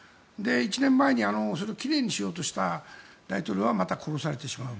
１年前にそれを奇麗にしようとした大統領はまた殺されてしまう。